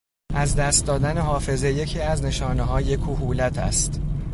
از دست دادن حافظه یکی از نشانههای کهولت است.